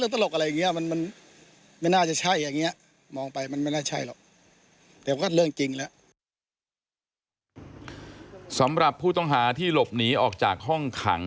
สำหรับผู้ต้องหาที่หลบหนีออกจากห้องขัง